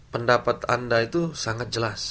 pendapat anda itu sangat jelas